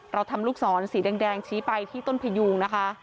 เราทำลูกศรสีแดงชี้ไปที่ต้นพยูงนะคะ